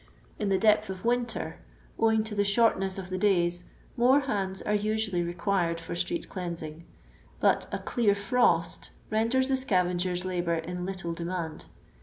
In the depth of winter, owing to the shortness of the days, more hands are usually required for street cleansing; but a "clear frost" rcndera the scavager's labour in little demand.